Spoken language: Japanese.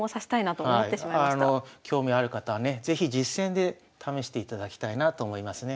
興味ある方はね是非実戦で試していただきたいなと思いますね。